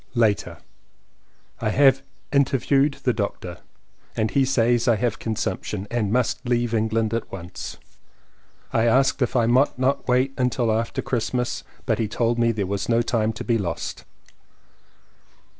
Later. I have interviewed the doctor, and he says I have consumption and must leave England at once. 224 LLEWELLYN POWYS I asked if I might not wait till after Christmas, but he told me there was no time to be lost.